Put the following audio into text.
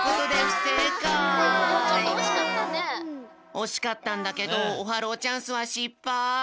おしかったんだけどオハローチャンスはしっぱい。